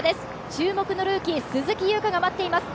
注目のルーキー・鈴木優花が待っています。